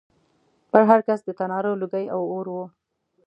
پر هر کڅ د تناره لوګی او اور و